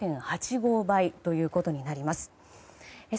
０．８５倍ということになります。